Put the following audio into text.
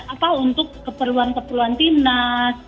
apa untuk keperluan keperluan timnas